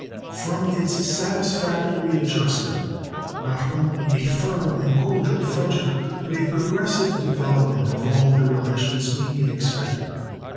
From its satisfactory adjustment not only a firm and cordial friendship, but a progressive development of all their relations, may be expected.